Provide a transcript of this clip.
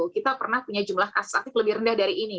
kita pernah punya jumlah kasus aktif lebih rendah dari ini